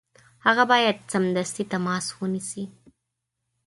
هغه باید سمدستي تماس ونیسي.